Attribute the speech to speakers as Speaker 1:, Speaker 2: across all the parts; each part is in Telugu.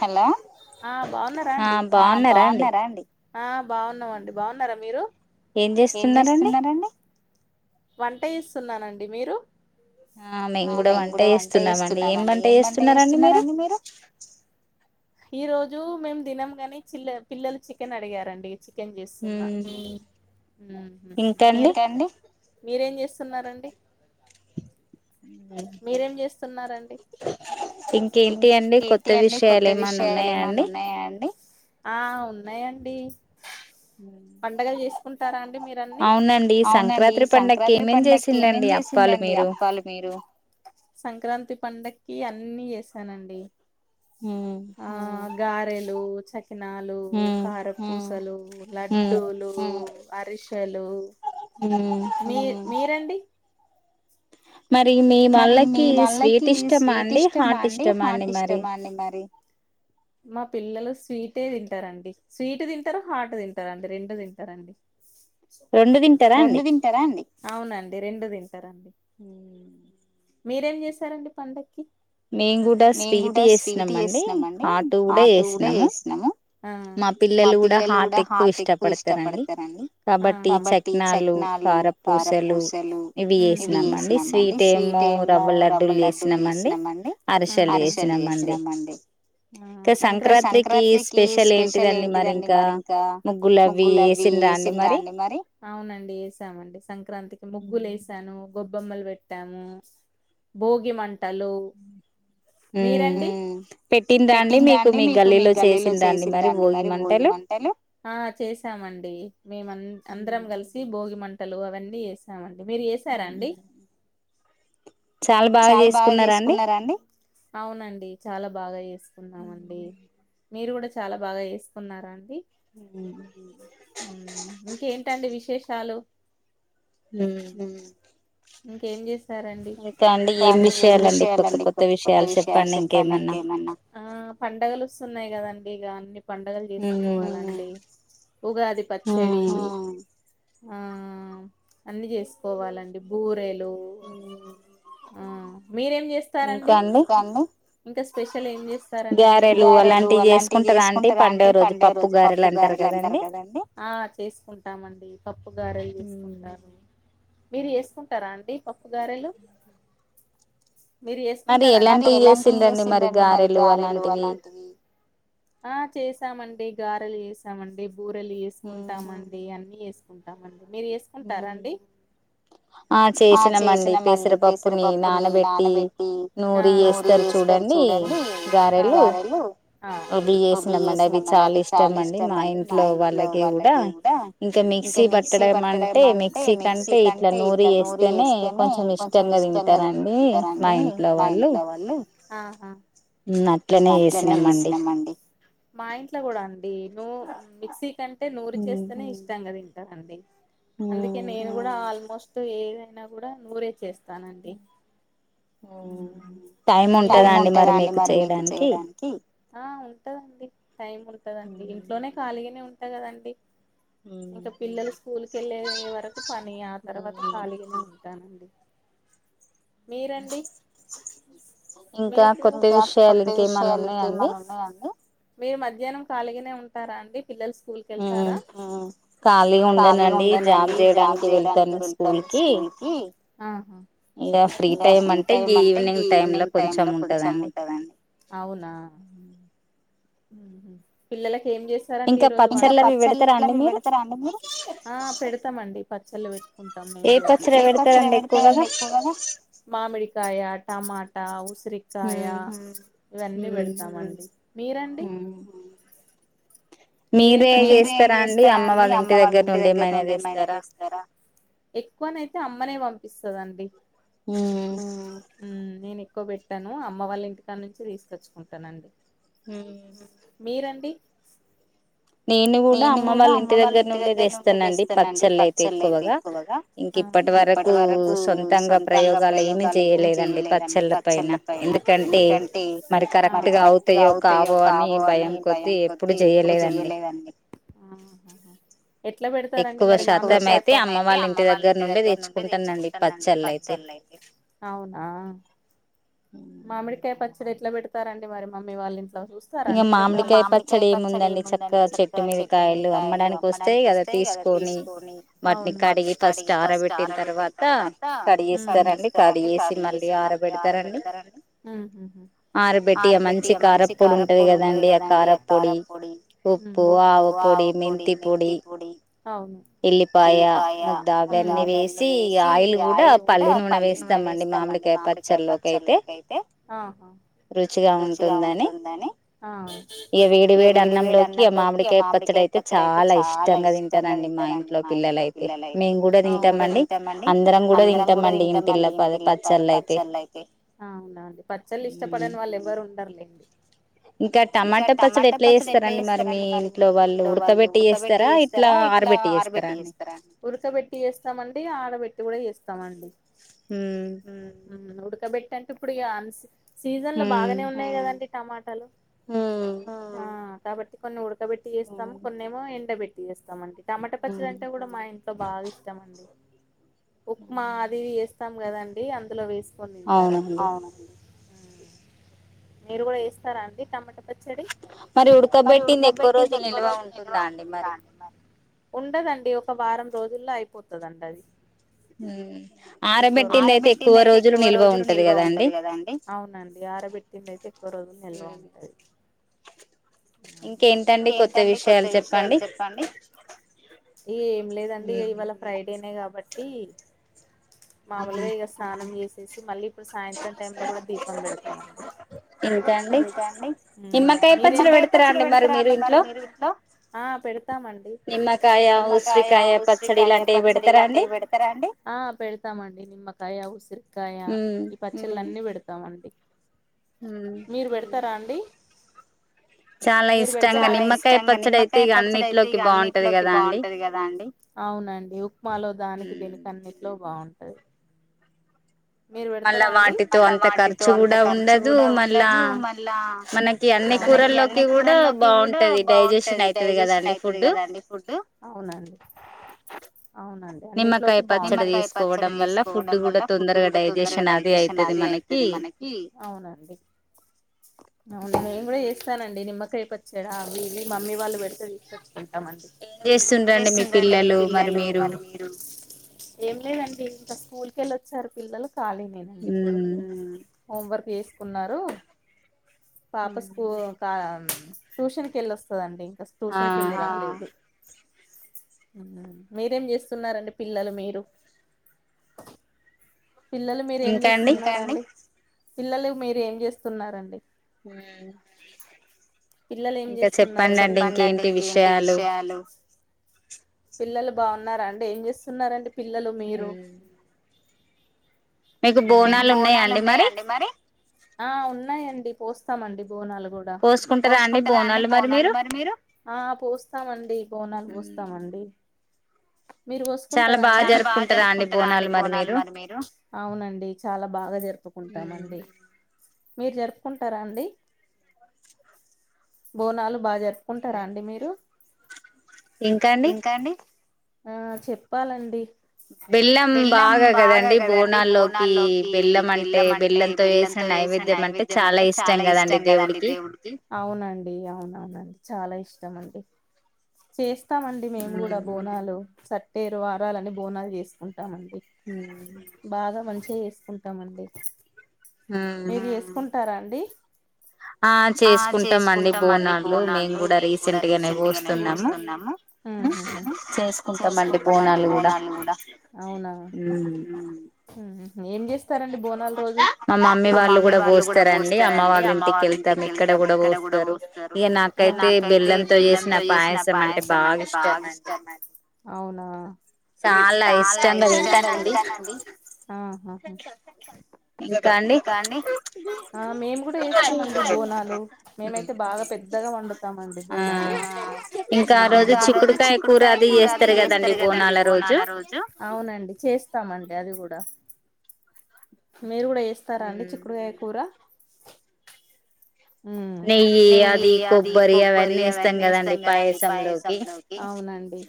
Speaker 1: హలో ఆ బాగున్నారా అండి ఆ బాగున్నామండి బాగున్నారా మీరు
Speaker 2: ఏం చేస్తున్నరండి
Speaker 1: వంట చేస్తున్నానండి మీరు
Speaker 2: ఆ మేము కూడా వంట చేస్తున్నామండి ఏం వంట చేస్తున్నరండి మీరు
Speaker 1: ఈ రోజు మేము దినం గని చిల్ల పిల్లలు చికెన్ అడిగారండి. చికెన్ చేస్తున్నా మీరు మీరేం చేస్తున్నారండి
Speaker 2: ఇంకేంటి అండి కొత్త విషయాలు
Speaker 1: విషయాల ఏమన్న ఉన్నాయా ఆ ఉన్నాయండి పండగలు చేసుకుంటారా అండి మీరన్నీ అవునండి సంక్రాంతి పండగకి ఏమేం చేసిందండి అప్పాలు మీరు సంక్రాంతి పండగకి అన్ని చేసానండి
Speaker 2: హ్మ్
Speaker 1: గారెలు చక్క కినాలు కారపూసలు లడ్ [unintelligible] డూలు అరిసెలు మీ మీరండి
Speaker 2: మరి మీ వాళ్ళకి స్వీట్ ఇష్టమా అండి హాట్ ఇష్టమా అండి మరి
Speaker 1: మా పిల్లలు స్వీటే తింటారండి స్వీట్ తింటారు హాట్ తింటారండి రెండు తింటారండి రెండు తింటారా అండి అవునండి రెండు తింటారండి మీరేం చేశారండి పండక్కి
Speaker 2: మేం కూడా స్వీట్ చేసినాం అండి హాట్
Speaker 1: హాటూ కూడా చేసినాము ఆ మా పిల్లలు కూడా హాట్ ఎక్కువ ఇష్టపడతారండి కాబట్టి చక్కినాలు కారపూసలు ఇవి చేసినామండి స్వీట్ ఏమో రవ్వ లడ్డూలు చేసినామండి అరిసెలు చేసినామండి ఆ సంక్ర సంక్రాత్రికి స్పెషల్ ఏంటిదండి మరి ఇంకా ముగ్గులవి వేసిందా అండి మరి అవునండి ఏసామండి సంక్రాంతికి ముగ్గులేసాను గొబ్బెమ్మలు పెట్టాము భోగి మంటలు
Speaker 2: పెట్టి
Speaker 1: పెట్టిందా అండి మీకు మీ గల్లీలో చేసిందా అండి మరి భోగి మంటలు టలు అవన్నీ ఏసామం మీరు ఏసారా అండి చాలా బాగా చేసుకున్నారా అండి ఔ అండి మీరు కూడా చాలా బాగా చేసుకున్నారా అండి మ్ ఇంకేంటండి విశేష్ చాలు
Speaker 2: ఉమ్
Speaker 1: ఇంకేం చేస్ ఇంకా అండి ఏం విషయాలండి కొత్త కొత్త విషయాలు చెప్పండి ఇంకేమన్నా ఆ పండగలు వస్తున్నాయి కదండి ఇక అన్ని పండగలు చెసుకోవాలండి ఉగాది పచ్చడి ఆ అన్ని చేసుకోవాలండి బూరె [unintelligible] మీరేం చేస్తారండి ఇంకా స్పెషల్ ఏం చే స్తారండి మీరు గారెలు అలాంటివి చేసుకుంటారా అంటి పండగ రోజు పప్పు గారెలు అంటారు కదండి మీరు చేసుకుంటారా అండి పప్పు గారెలు మీరు చేసుకుంటారా అండి మరి ఇలాంటి చేసిర్రు ఎందు మరి గారెలు అలాంటివి ఆ చేసామండి గారె గారెలు చేసామండి కూ రలు చేేసుకుంటామండి అన్ని చెస్ తీసుకుంటామండి మీరు వేసుకుంటారాడి ఆ చేసినామండి పెసరపప్పుని నానబెట్టి నూరి వేస్తారు చూడండి గారెలు అవి చేసినాం అండి అవి చాలా ఇష్టం అండి మా ఇంట్లో వాళ్ళకి కూడా ఇంకా మిక్సీ పట్టడం అంటే మిక్సీ కంటే ఇట్లా నూరి వేస్తేనే కొంచెం ఇష్టంగా తింటారండి మా ఇంట్లో వాళ్ళు
Speaker 2: న్న అట్లనే చేసినాంమండి
Speaker 1: మా ఇంట్లో కూడా అండి అ మిక్సీ కాంట అంటే నూరి చేస్తేనే ఇష్టాం గా తింటే అండీ అందుకే నేను కూడా ఆల్మోస్ట్ ఏదైనా కూడా నూరే చేస్త
Speaker 2: టైం ఉంటద అండి మరి మీకు చేయడానికి
Speaker 1: చేయడానికి ఆ ఉంటదండి టైం ఉంటదండి ఇంట్లోనే ఖాళీగానే ఉంట అంతే కదండి ఇంక పిల్లలు స్కూల్ క వెళ్ళే వరకు పని ఆ తర్వాత ఖాళీగానే ఉంటానండి మీరండి మీకూ కొత్త విషయాలు ఇంకేమన్న ఉన్నాయాండి మీరు మధ్యాహ్నం కాలిగినే ఉంటారా అండి పిల్లలు స్కూల్ క వెళ్తారా ఖాళీగా ఉండనండి జాబ్ చేయడానికి వెళ్తాను స్కూల్ కి ఇంకా ఫ్రీ టైమ్ అంటె ఈవినింగ్ టైమ్ ల కొంచెం ఉంటదండి అవునా పిల్లలక్ ఏం చేస్తారండి ఈరోజు ఇంక పచ్చల్లు అవి పెడుతరాండి మీరు ఆ పెడతమండి పచ్చలు పెట్ట్ మేమ్ ఎక్కు మామిడికాయ టమాటా ఉసిరికాయ ఇవన్నీ పెడతామండి మీరండ్
Speaker 2: మ్..
Speaker 1: మీరేం చేస్తారా అండి అమ్మ వాళ్ళ ఇంటి దగ్గర ఉండి ఏమైనా చేస్తారా ఎక్కువనైతే అమ్ అమ్మనే పంపిస్తదండి నేను ఎక్ ఎక్కువ పెట్టను అమ్మ వాళ్ళ ఇంటికానుంచి తీసుకొచ్చుకుంటానండి
Speaker 2: మ్
Speaker 1: మీరండి
Speaker 2: నేను కూడా అమ్మ వాళ్ళ ఇంటి దగ్గర నుండే తెస్తనండి పచ్చళ్ళు అయితే ఎక్కువగా ఇంక ఇప్పటి వరకు సొంతంగా ప్రయోగాలు ఏమి చేయలేదండి పచ్చళ్ళ పైన ఎందుకంటే మరి కరెక్ట్గా అవుతాయో కావో అని భయం కొద్దీ ఎప్పుడు చేయలేదండ్
Speaker 1: ఎం లేదండి ఎట్లా పెడతారండి మరి ఎక్కువ శాతం అయితే అమ్మ వాళ్ళ ఇంటి దగ్గర నుండి తెచ్చుకుంటానండి పచ్చళ్ళు అయితే అవునా మామిడికాయ పచ్చ ఎట్ల పెడతారండి మరి మమ్మీ వాళ్ళు అసలు ఇస్తారండి మీరు ఎప్పుడైన ఏముందండి చక్కగా చెట్టు మీది కాయలు అమ్మడానికి వస్తే అలా తీసుకొని వాటిని కడిగి ఫస్ట్ ఆరబెట్టిన తర్వాత కడిగేస్తారండి కడిగేసి మళ్ళీ ఆరబెడతారండి ఆరబెట్టి మంచి
Speaker 2: పొడి ఉంటది కదండి ఆ కారప్పొడి
Speaker 1: ఉప్పు ఆవ పొడి మెంతి పొడి ఎల్లిపాయముద్ధ అవన్ని వేసి ఆయిల్ కూడా పల్లీ నూనె వేస్తామండి మామిడికాయ పచ్చల్లోకయితే రుచిగా ఉంటుంది దని ఆమ్.... వేడి వేడి అన్నంలోకి ఆ మామిడికాయ పచ్చడి అయితే చాలా ఇష్టంగా తింటారండి మా ఇంట్లో పిల్లల అయితే మేము కూడా తింటామండి అందరం కూడా తింటాంమండి ఇంటిల్లపాలది పచ్చళ్ళు అయితే పచ్చళ్ళు ఇష్టపడని వాళ్ళు ఎవ్వరు ఉండర్లెండి
Speaker 2: ఇకా టమాటా పచ్చడి
Speaker 1: పచ్చడి ఎట్లా చేస్తారండి మరి మీ ఇంట్లో వాళ్ళు ఉడకబెట్టి చేస్తారా ఇట్లా ఆరబెట్టి చేస్తారా ఉడకబెట్టి చేస్తామండి ఆరా పెట్టి కూడా చేస్తామండి
Speaker 2: ఉమ్
Speaker 1: ఉడకబెట్టి అంటే ఇప్పుడు యాన్స్ [unintelligible] సీజన్ లో బాగానే ఉన్నాయి కదండి టమాటాలు
Speaker 2: ఉమ్
Speaker 1: కాబట్టి కొన్ని ఉడుక్ కబెట్టి చేస్తాము కొన్నేమో ఎండబెట్టి తినేస్తామండి టమాటా పచ్చడి అంటే కూడా మా ఇన్ ఇంట్లో బాగా ఇష్టం ఉప్మా అది చెస్ ఇస్తాం కదండి అందులో వేసి [unintelligible] తింటారండి అవునండి మీరు కూడా చేస్తారా అండి టమాటా పచ్చడి మరి ఉడకబెట్టింది ఎక్కువ రోజు నిల్వ ఉంటుందా అండి మరి ఉండదండి ఓ వారం రోజుల్లో అయిపోతది అండి అది ఆరబెట్టింది అయితే ఎక్కువ రోజులు నిల్వ ఉంటది కదాండి ఇంకేంటండి కొత్త విషయాలు చెప్పండి ఇగ ఏం లేదండి ఇవాళ ఫ్రై డేనే కదా కాబట్టి మామూలుగా ఇక స్నానం చేసి మళ్ళీ సాయంత్రం టైమ్ లో కూడా దీపం పెడతామండి ఇంకా అండి నిమ్మకాయ పచ్చడి పెడతారా అండి మరి మీరు ఇంట్లో ఆ పెడతామండి నిమ్మకాయ ఉసిరికాయ పచ్చడి ఇలాంటివి పెడతారా అండి ఆ పెడతామండి నిమ్మ కాయ ఉసిరి కాయ ఈ పచ్చళ్లన్నీ పెడతామండి మీరు పెడతారా అండి చాలా ఇష్టంగా నిమ్మకాయ పచ్చడి అయితే ఇగ అన్నిట్లోకి బాగుంటది కదా అండి అవునండి ఉప్మాలో దానికి దీనికి అన్నిట్లో బాగుంటా
Speaker 2: మళ్ళా వాటితో అంత ఖర్చు కూడా ఉండదు మళ్ళా మనకి అన్ని
Speaker 1: మనకి అన్ని కూరల్లోకి కూడా బాగుంటది డైజెషన్ అవుతుది కదాండి ఫుడ్ అవునండి నిమ్మకాయ పచ్చడి తీసుకోవడం వల్ల ఫుడ్ కూడా తొందరగా డైజెషన్ అది అవుతుంది మనకి అవునండి అవున [unintelligible] నిమ్మకాయ పచ్చడి అవి ఇవి మమ్మీ వాళ్ళు పెడితే చూసి [unintelligible] చేస్తుందిండి మీ పిల్లలు మరి మీరు ఏం లేదండి ఇంకా స్కూల్ [unintelligible] వచ్చారు పిల్లలు కాలీ నే ఇప్పుడు హోంవర్క్ వేసుకున్నారు [unintelligible] కో కా ట్యూషన్ కి వెలుస్తుంది అండి ట్యూషన్ కెల్లిల రిండి మ్ మీరేం చేస్తున్నారండి పిల్లలు మీరు పిల్లలు మీరేం చేస్తున్నారని పిల్లలు మీరు ఏం చేస్తున్నారండి
Speaker 2: ఇంకా చెప్పండింటి ఇంకేంటి విషయాలు
Speaker 1: పిల్లలు బాగున్నారా అండి ఏం చేస్తున్న రండి పిల్లలు మీరు మీకు బోనాలు ఉన్నాయా అండి మరి ఆ ఉన్నాయండి పోస్తామండి బోనాలు కూడా పోసుకుంటారా అండి బోనాలు మరి మీరు ఆ పోస్తామండి బోనాలు పోస్తామండి మీరు పోసుకుంటార అండి చాలా బాగా జరుపుకుంటారా అండి బోనాలు మరి మీరు అవునండి చాలా బాగా జరుపుకుంటామండి మీరు జరుపుకుంటారా అండి బోనాలు బాగా జరుపుకుంటారా అండి మీరు
Speaker 2: ఇంకా అండి
Speaker 1: ఆ చెప్పాలండి
Speaker 2: బెల్లం బాగా కదండి
Speaker 1: కదండి బోనాల్లోకి బెల్లం అంటే బెల్లంతో వేసిన నైవేద్యం అంటే చాలా ఇష్టం కదండి దేవుడికి అవునండి అవునండి చాలా ఇష్టమండి ఫేస్ వస్తామండి మేము కూడా బోనాలు చట్ ఏరు వారాలని బోనాలు చేస్తాం ఉంటామండి బాగా మంచిగా ఉంటామండి
Speaker 2: మ్
Speaker 1: తరండి
Speaker 2: ఆ చేసుకుంటాం అండి బోనాలు మేము కూడా రీసెంట్ గానే పోస్తున్నాము
Speaker 1: మేము హమ్ చేసుకుంటామండి బోనాలు కూడా అవునా ఉ ఏం చేస్తారంండి బోనాల రోజు మా మమ్మీ వాళ్ళు కూడా పోస్తారంండి అమ్మ వాళ్ళ ఇంటికి వెళ్తాం ఇక్కడ కూడా పోస్తారు ఇక నాకైతే బెల్లంతో చేసిన రసం అంటే బాగ ఇష్టమండి అవునా చాలా ఇష్టంగా తింటానండి కానీ మేము కూడా వేస్తామండి బోనాలు మేమైతే బాగా పెద్దగా వండుతామండి బోనాలు
Speaker 2: ఇక ఆ రోజు చిక్కుడుకాయ కూర అది ఏస్తారు కదండి బోనాల
Speaker 1: నల రోజు అవునండి చేస్త ఇస్తామండి అది కూడా మీరు కూడా ఎస్తారా అండి చిక్కుడుగాయ కూర నెయ్యి అది కొబ్బరి అవన్నీ ఇస్తాం కదండి పాయసంలోకి అవునండి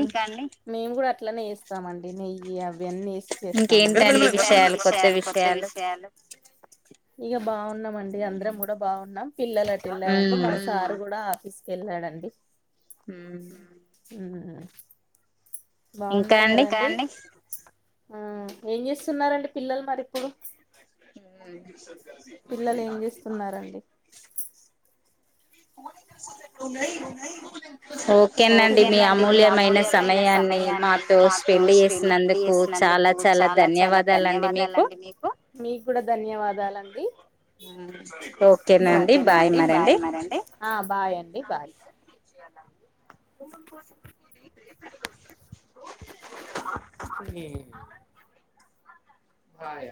Speaker 1: ఇంకాండి మేము కూడా ఇట్లనే ఇస్తామండి నెయ్యి అవన్నీ వేసి చేస్తామండి ఇంకా ఏమి వేస్తారు ఇంకే విషయాలు కొత్త విషయాలు ఇక బాగున్నాం అండి అందరం కూడా బాగున్నాం పిల్లలను అడిగినారు సర్ హా ఆఫీస్కి వెళ్ళాడండి
Speaker 2: ఉమ్
Speaker 1: బాగున్నారు కదండి ఇంకా అండి ఆ ఏం చేస్తున్నారండి పిల్లలు మరి ఇప్పుడు
Speaker 2: ఉరికి సరే నువ్వుయి ఓ
Speaker 1: ఓకేనండి మీ అమూల్యమైన సమయాన్ని మాతో స్పెండ్ చేసినందుకు చాలా చాలా ధన్యవాదాలండి మీకు మీకు కూడా ధన్యవాదాలండి ఓకేనండి బాయ్ మరండి హా బాయ్ అండి బాయ్ ఏ బాయ్